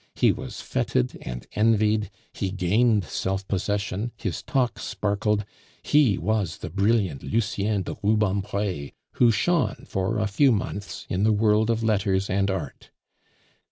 He was feted and envied; he gained self possession; his talk sparkled; he was the brilliant Lucien de Rubempre who shone for a few months in the world of letters and art.